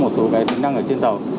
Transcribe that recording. một số cái tính năng ở trên tàu